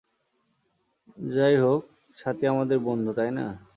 যাইহোক স্বাতী আমাদের বন্ধু, তাই না?